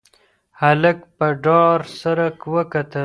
هلک په ډار سره وکتل.